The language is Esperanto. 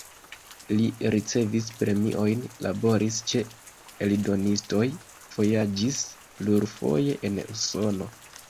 Li ricevis premiojn, laboris ĉe eldonistoj, vojaĝis plurfoje en Usono.